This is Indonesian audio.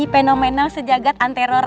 pokoknya kode beri